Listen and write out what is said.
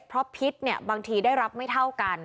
เพราะพิษเนี่ยบางทีได้รับไม่เท่ากัน